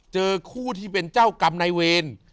เจอคู่ที่เป็นเจ้ากรรมนายเวร